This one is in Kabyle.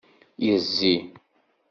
Yezzi.